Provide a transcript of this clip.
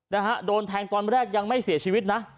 นะฮะโดนแทงตอนแรกยังไม่เสียชีวิตนะ